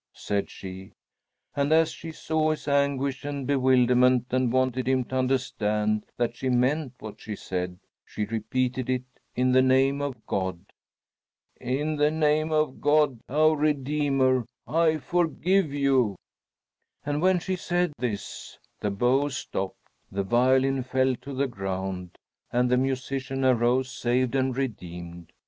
said she. And as she saw his anguish and bewilderment and wanted him to understand that she meant what she said, she repeated it in the name of God. "In the name of God our Redeemer, I forgive you!" And when she said this, the bow stopped, the violin fell to the ground, and the musician arose saved and redeemed.